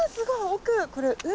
奥これ海？